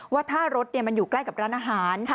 ว่าถ้ารถมันอยู่ใกล้กับร้านอาหาร